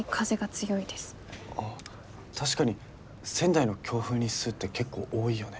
ああ確かに仙台の強風日数って結構多いよね。